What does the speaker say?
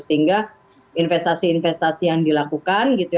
sehingga investasi investasi yang dilakukan gitu ya